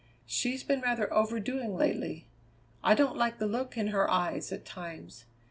She's been rather overdoing lately. I don't like the look in her eyes at times.